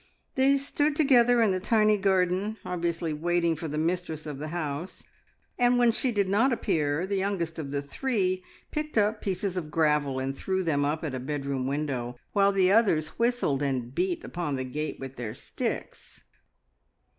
They stood together in the tiny garden, obviously waiting for the mistress of the house, and when she did not appear, the youngest of the three picked up pieces of gravel and threw them up at a bedroom window, while the others whistled and beat upon the gate with their sticks.